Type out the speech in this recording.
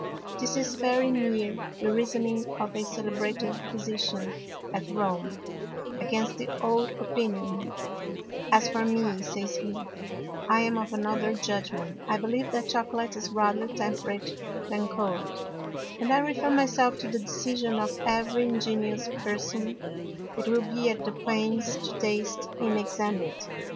This is very near the Reasoning of a celebrated Physician at Rome against the old Opinion: As for me, says he, _I am of another Judgment; I believe that Chocolate is rather temperate than cold, and I refer my self to the Decision of every ingenious Person that will be at the pains to taste and examine it.